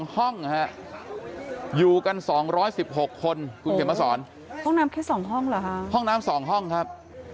๒ห้องอยู่กัน๒๑๖คนห้องน้ำ๒พ่อนะครับ